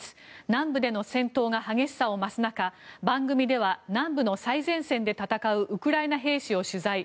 南部での戦闘が激しさを増す中番組では南部の最前線で戦うウクライナ兵士を取材。